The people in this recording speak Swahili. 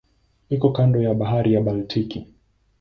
Iko kando ya Bahari ya Baltiki.